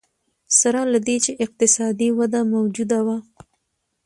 سره له دې چې اقتصادي وده موجوده وه.